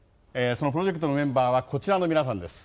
そのプロジェクトのメンバーはこちらの皆さんです。